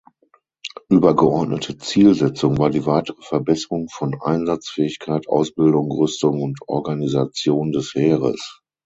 Übergeordnete Zielsetzung war die weitere Verbesserung von Einsatzfähigkeit, Ausbildung, Rüstung und Organisation des Heeres.